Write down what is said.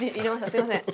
すみません。